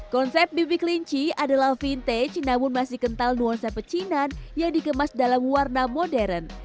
konsep bibi kelinci adalah vintage namun masih kental nuansa pecinan yang dikemas dalam warna modern